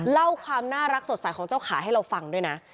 เล่าความน่ารักสดใสของเจ้าขาให้เราฟังด้วยนะ